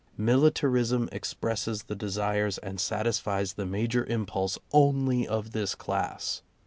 Militarism expresses the desires and satisfies the major impulse only of this class.